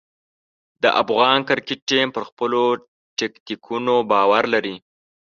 د افغان کرکټ ټیم پر خپلو ټکتیکونو باور لري.